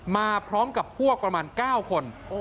มาพร้อมกับพวกประมาณ๙คน